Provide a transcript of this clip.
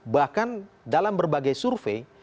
bahkan dalam berbagai survei